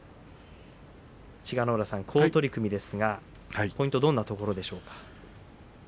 千賀ノ浦さん、好取組ですがポイントはどんなところでしょうか？